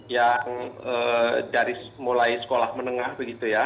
yang dari mulai sekolah menengah begitu ya